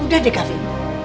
udah deh kavin